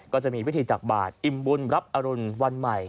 ก็จะมีพิธีตักบาทอิ่มบุญรับอรุณวันใหม่